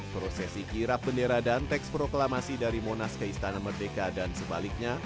prosesi kirap bendera dan teks proklamasi dari monas ke istana merdeka dan sebaliknya